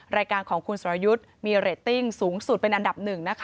รายการของคุณสหยุดมีระเต้งสูงสุดเป็นอันดับ๑